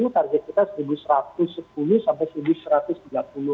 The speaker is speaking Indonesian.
target kita seribu satu ratus sepuluh sampai seribu satu ratus tiga puluh